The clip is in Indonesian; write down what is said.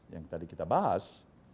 yang tadi kita bahas